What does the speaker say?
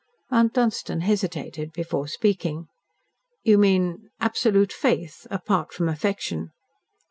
Mount Dunstan hesitated before speaking. "You mean absolute faith apart from affection?"